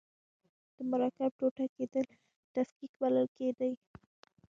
د مرکب ټوټه کیدل تفکیک بلل کیږي.